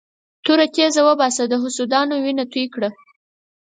توره تېزه وباسه د حسودانو وینه توی کړه.